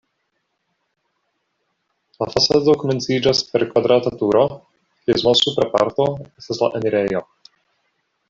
La fasado komenciĝas per kvadrata turo, kies malsupra parto estas la enirejo.